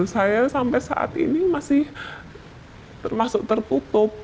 saya sampai saat ini masih termasuk tertutup